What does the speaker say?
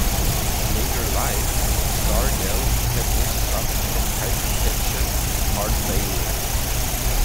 In his later life, Stargell had also suffered from hypertension and heart failure.